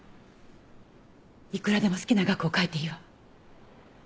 いくらでも好きな額を書いていいわ。